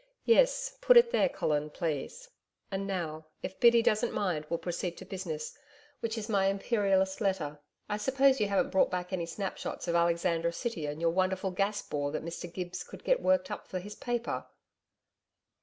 Yes, put it there, Colin, please.... And now, if Biddy doesn't mind, we'll proceed to business, which is my IMPERIALIST Letter. I suppose you haven't brought back any snapshots of Alexandra City and your wonderful Gas Bore that Mr Gibbs could get worked up for his paper?'